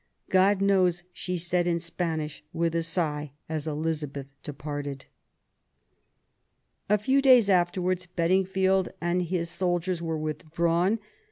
God knows," she said in Spanish, with sigh, as Elizabeth departed. A few days afterwards, Bedingfield and his soldiers were withdrawn.